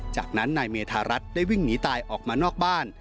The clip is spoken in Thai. จากนั้นนายเมธารัฐได้วิ่งหนีตายออกมานอกบ้าน